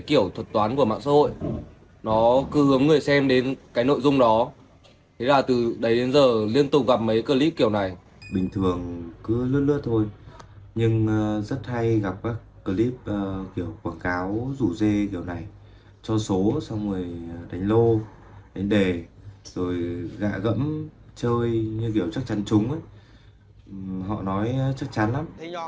cho số xong rồi đánh lô đánh đề rồi gạ gẫm chơi như kiểu chắc chắn trúng ấy họ nói chắc chắn lắm